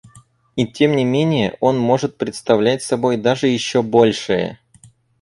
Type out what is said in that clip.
И, тем не менее, он может представлять собой даже еще большее.